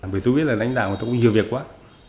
bởi tôi biết là lãnh đạo mà tôi cũng nhiều việc quá